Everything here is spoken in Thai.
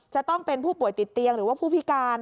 จะต้องเป็นผู้ป่วยติดเตียงหรือว่าผู้พิการ